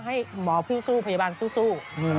ให้หมอพี่สู้พยาบาลสู้